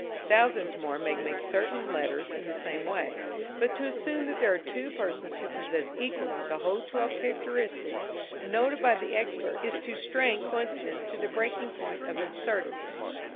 Thousands more may make certain letters in the same way, but to assume that there are two persons who possess equally the whole twelve characteristics noted by the expert is to strain coincidence to the breaking point of absurdity.